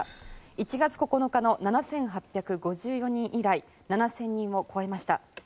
１月９日の７８５４人以来７０００人を超えました。